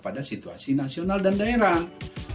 pada situasi nasional dan daerah